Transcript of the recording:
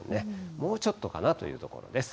もうちょっとかなというところです。